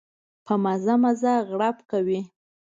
په مزه مزه غړپ کوي.